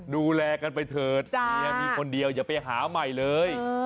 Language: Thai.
ดูแลกันไปเถิดเมียมีคนเดียวอย่าไปหาใหม่เลย